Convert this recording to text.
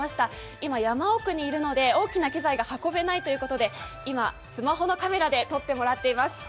今、山奥にいるので、大きな機材が運べないということでスマホのカメラで撮ってもらっています。